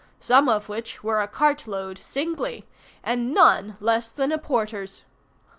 some of which were a cart load singly! and none less than a porter's!